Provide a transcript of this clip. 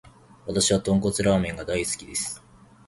わたしは豚骨ラーメンが大好きです。